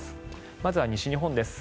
まずは西日本です。